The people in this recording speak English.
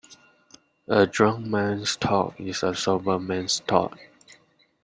A drunk man's talk is a sober man's thought.